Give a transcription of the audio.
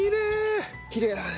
きれい！